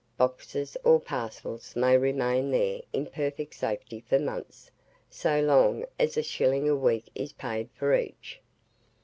Boxes or parcels may remain there in perfect safety for months, so long as a shilling a week is paid for each.